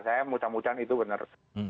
saya mudah mudahan itu benar